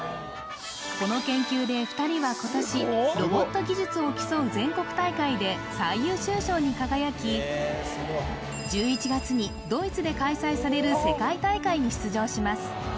この研究で２人は今年ロボット技術を競う全国大会で最優秀賞に輝き１１月にドイツで開催される世界大会に出場します